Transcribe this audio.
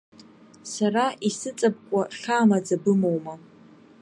Сара исыҵабкуа хьаа маӡа бымоума?